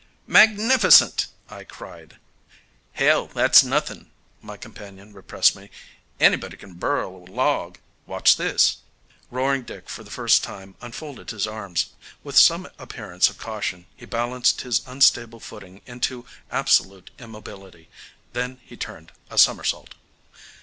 "Magnificent!" I cried. "Hell, that's nothing!" my companion repressed me, "anybody can birl a log. Watch this." Roaring Dick for the first time unfolded his arms. With some appearance of caution he balanced his unstable footing into absolute immobility. Then he turned a somersault.